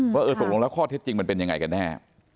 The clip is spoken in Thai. หุลมือถูกก็คอกเท็จจริงมันเป็นยังไงกันแน่